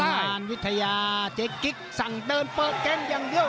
งานวิทยาเจ๊กิ๊กสั่งเดินเปิดแก๊งอย่างเดียว